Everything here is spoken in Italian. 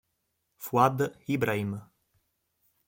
Fuad Ibrahim